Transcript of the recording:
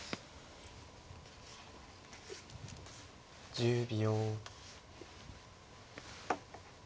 １０秒。